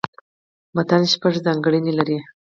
متن شپږ ځانګړني لري.